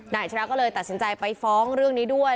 อาชิระก็เลยตัดสินใจไปฟ้องเรื่องนี้ด้วย